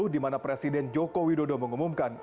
di mana presiden joko widodo mengumumkan